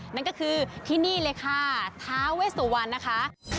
นั่นก็คือที่นี่เลยค่ะท้าเวสุวรรณนะคะ